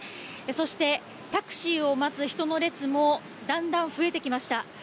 そして、タクシーを待つ人の列も、だんだん増えてきました。